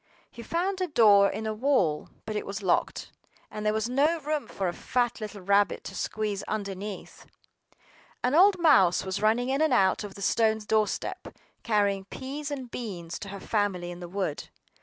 HE found a door in a wall; but it was locked, and there was no room for a fat little rabbit to squeeze underneath. An old mouse was running in and out over the stone doorstep, carrying peas and beans to her family in the wood.